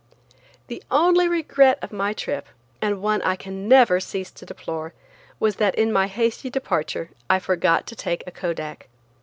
The only regret of my trip, and one I can never cease to deplore, was that in my hasty departure I forgot to take a Kodak.